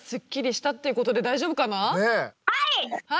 はい！